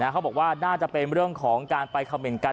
เขาบอกว่าน่าจะเป็นเรื่องของการไปคำเมนต์กัน